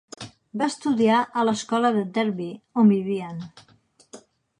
Va estudiar a l'escola de Derby, on vivien.